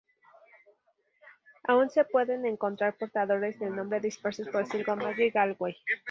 Aún se pueden encontrar portadores del nombre dispersos por Sligo, Mayo y Galway.